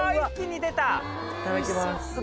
いただきます。